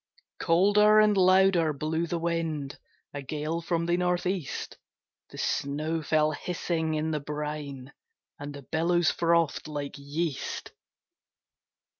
Colder and louder blew the wind, A gale from the North east; The snow fell hissing in the brine, And the billows frothed like yeast.